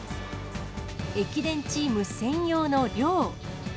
駅伝チーム専用の寮。